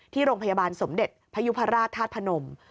ที่โรงพยาบาลสมเด็จพยุพราชธาตุพนม